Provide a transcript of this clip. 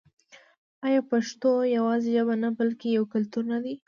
آیا پښتو یوازې ژبه نه بلکې یو کلتور نه دی؟